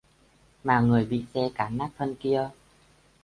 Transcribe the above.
mà người bị xe cán nát thân kia